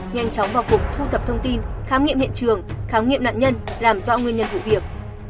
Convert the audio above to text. nhanh chóng vào cuộc thu thập thông tin khám nghiệm hiện trường khám nghiệm nạn nhân làm rõ nguyên nhân vụ việc